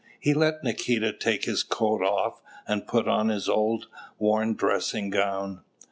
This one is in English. He let Nikita take his coat off, and put on his old worn dressing gown.